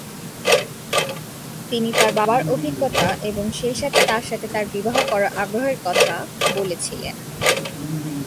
তিনি তার বাবার অভিজ্ঞতা এবং সেইসাথে তার সাথে তার বিবাহ করার আগ্রহের কথা বলেছিলেন।